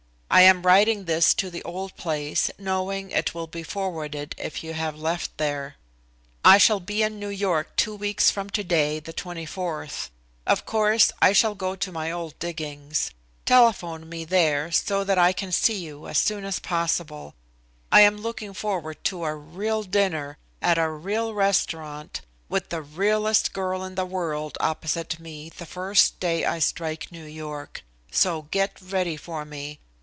I am writing this to the old place, knowing it will be forwarded if you have left there. "I shall be in New York two weeks from today, the 24th. Of course I shall go to my old diggings. Telephone me there, so that I can see you as soon as possible. I am looking forward to a real dinner, at a real restaurant, with the realest girl in the world opposite me the first day I strike New York, so get ready for me.